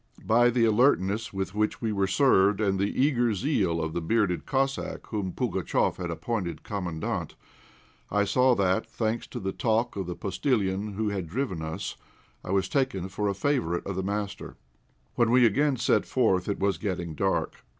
By the alertness with which we were served and the eager zeal of the bearded Cossack whom Pugatchéf had appointed Commandant, I saw that, thanks to the talk of the postillion who had driven us, I was taken for a favourite of the master. When we again set forth it was getting dark.